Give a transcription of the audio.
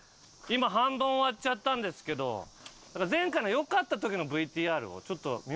今半分終わっちゃったんですけど前回の良かった時のＶＴＲをちょっと見ませんか？